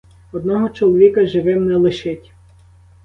Одного чоловіка живим не лишить.